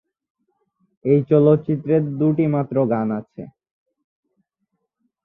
এই চলচ্চিত্রে দুটি মাত্র গান আছে।